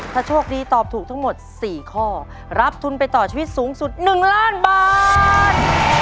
ถ้าโชคดีตอบถูกทั้งหมด๔ข้อรับทุนไปต่อชีวิตสูงสุด๑ล้านบาท